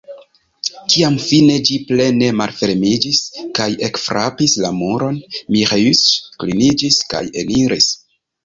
Kiam fine ĝi plene malfermiĝis kaj ekfrapis la muron, Miĥeiĉ kliniĝis kaj eniris.